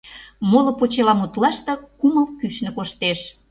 Моло почеламутлаште кумыл кӱшнӧ коштеш.